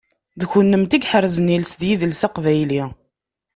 D kunemti i iḥerzen iles d yidles aqbayli.